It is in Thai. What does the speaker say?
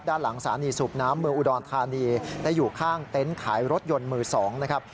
ด้านหลังสถานีสูบน้ำเมืองอุดรธานีได้อยู่ข้างเต็นต์ขายรถยนต์มือ๒นะครับ